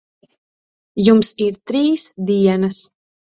Jums ir trīs dienas.